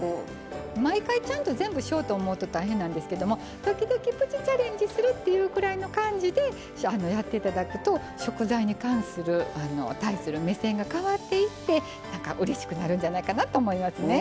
毎回ちゃんと全部しようと思うと大変なんですけども時々プチ・チャレンジするっていうくらいの感じでやって頂くと食材に対する目線が変わっていってなんかうれしくなるんじゃないかなと思いますね。